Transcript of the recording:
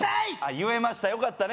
言えましたよかったね